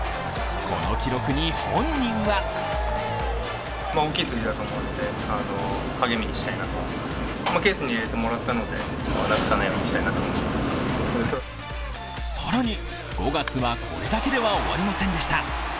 この記録に本人は更に、５月はこれだけでは終わりませんでした。